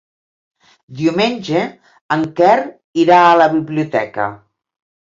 Diumenge en Quer irà a la biblioteca.